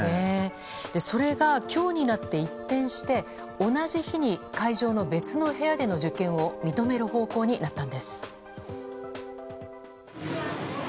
それが今日になって一転して同じ日に会場の別の部屋での受験を認める方向になったんです。